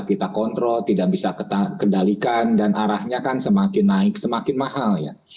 kita kontrol tidak bisa kendalikan dan arahnya kan semakin naik semakin mahal ya